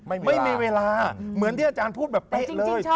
ไม่มีเวลาเหมือนที่อาจารย์พูดแบบเป๊ะเลย